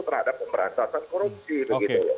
terhadap pemberantasan korupsi